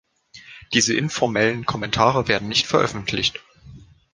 Diese informellen Kommentare werden nicht veröffentlicht.